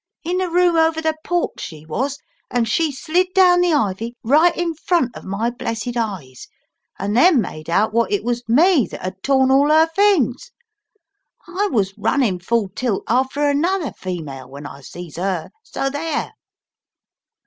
In the room over the porch she was, and she slid down the ivy, right in front of my blessed eyes, and then made out wot it was me that 'ad torn all 'er fings. I was running full tilt after another female, when I sees 'er, so there!"